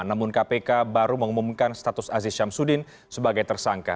namun kpk baru mengumumkan status aziz syamsuddin sebagai tersangka